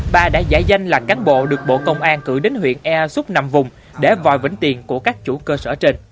bà đã giải danh là cán bộ được bộ công an cử đến huyện ea xúc nằm vùng để vòi vĩnh tiền của các chủ cơ sở trên